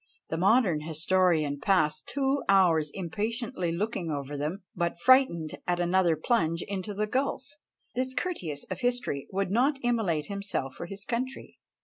The modern historian passed two hours impatiently looking over them, but frightened at another plunge into the gulf, this Curtius of history would not immolate himself for his country!